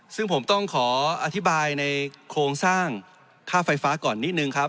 ซึ่งผมต้องขออธิบายในโครงสร้างค่าไฟฟ้าก่อนนิดนึงครับ